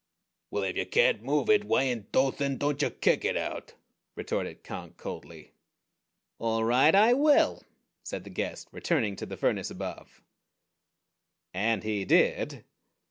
"Well, if ya can't move it, why in Dothan dontcha kick it out?" retorted Conk coldly. "All right, I will," said the guest, returning to the furnace above. And he did.